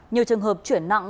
nhiều trường hợp chuyển nặng